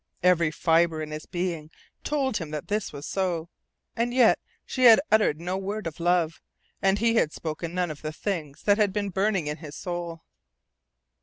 Every fibre in his being told him that this was so. And yet she had uttered no word of love, and he had spoken none of the things that had been burning in his soul.